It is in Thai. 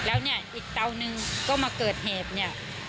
แล้วเนี่ยอีกเตานึงก็มาเกิดเหตุเนี่ย